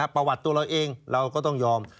ประวัติตัวเราเองเราก็ต้องยอม